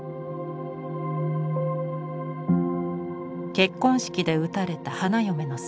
結婚式で撃たれた花嫁の姿。